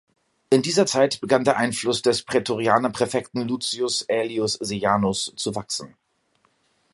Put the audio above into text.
In dieser Zeit begann der Einfluss des Prätorianerpräfekten Lucius Aelius Seianus zu wachsen.